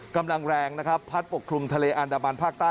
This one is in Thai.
กำลังแรงนะครับพัดปกคลุมทะเลอันดามันภาคใต้